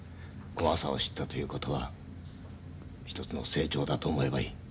怖さを知ったということは一つの成長だと思えばいい。